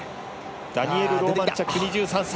ダニエル・ローマンチャック２３歳。